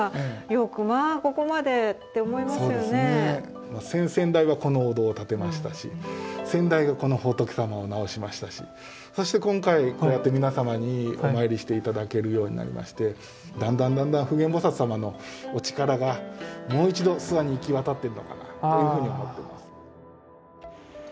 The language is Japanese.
そうですね先々代はこのお堂を建てましたし先代がこの仏様を直しましたしそして今回こうやって皆様にお参りして頂けるようになりましてだんだんだんだん普賢菩様のお力がもう一度諏訪に行き渡っているのかなというふうに思っています。